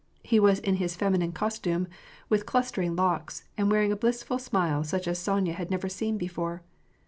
He was in his feminine cos tume, with clustering locks, and wearing a blissful smile such as Sonya had never seen before.